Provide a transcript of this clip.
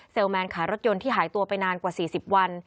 เซลแมนขายรถยนต์ที่หายตัวไปนานกว่าสี่สิบวัน